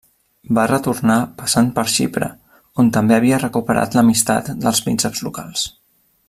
Va retornar passant per Xipre on també havia recuperat l'amistat dels prínceps locals.